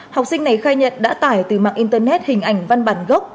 học sinh này khai nhận đã tải từ mạng internet hình ảnh văn bản gốc